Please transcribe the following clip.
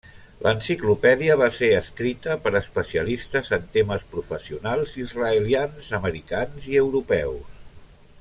L'enciclopèdia va ser escrita per especialistes en temes professionals israelians, americans i europeus.